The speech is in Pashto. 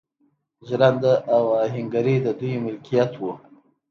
ژرنده او اهنګري د دوی ملکیت و.